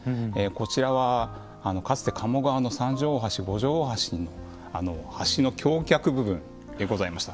こちらはかつて鴨川の三条大橋五条大橋の橋の橋脚部分でございました。